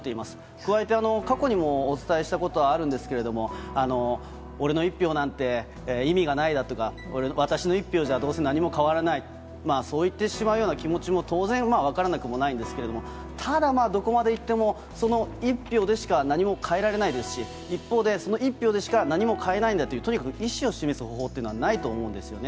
加えて、過去にもお伝えしたことはあるんですけれども、俺の１票なんて意味がないだとか、私の１票じゃどうせ何も変わらない、そう言ってしまうような気持ちも当然分からなくもないんですけれども、ただ、どこまでいっても、その１票でしか何も変えられないですし、一方で、その１票でしか何も変えないんだという、とにかく意思を示す方法というのはないと思うんですよね。